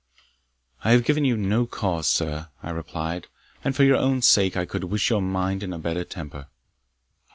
"I have given you no cause, sir," I replied, "and for your own sake I could wish your mind in a better temper."